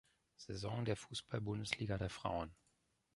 Saison der Fußball-Bundesliga der Frauen.